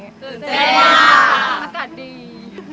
ตื่นเต้นค่ะ